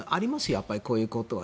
やっぱりこういうことは。